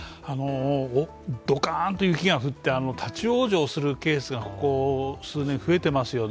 ドカーンと雪が降って立往生するケースがここ数年増えていますよね。